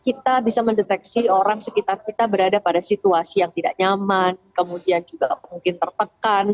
kita bisa mendeteksi orang sekitar kita berada pada situasi yang tidak nyaman kemudian juga mungkin tertekan